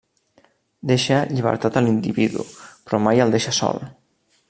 Deixa llibertat a l'individu, però mai el deixa sol.